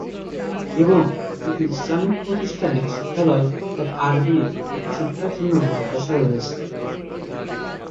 এবং দুইটি ইসলামি প্রাতিষ্ঠানিক শিক্ষালয় অর্থাৎ আরবি শিক্ষার জন্য মাদ্রাসা রয়েছে।